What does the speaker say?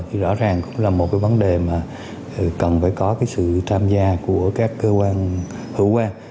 thì rõ ràng cũng là một cái vấn đề mà cần phải có cái sự tham gia của các cơ quan hữu quan